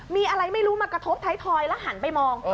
มีอะไรไม่รู้มากระทบท้ายทอยแล้วหันไปมอง